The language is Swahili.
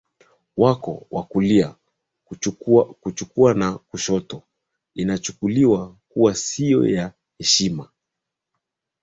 wako wa kulia Kuchukua na kushoto inachukuliwa kuwa isiyo ya heshima